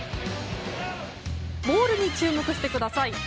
ボールに注目してください。